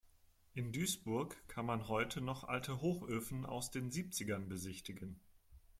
In Duisburg kann man heute noch alte Hochöfen aus den Siebzigern besichtigen.